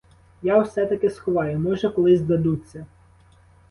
Я все-таки сховаю, може, колись здадуться.